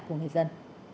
của người dân